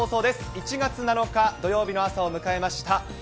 １月７日土曜日の朝を迎えました。